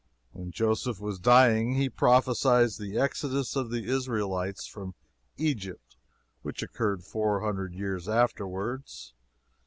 When Joseph was dying he prophesied that exodus of the Israelites from Egypt which occurred four hundred years afterwards.